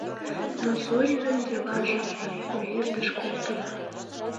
Но Зоринын делажым уездыш колтымо.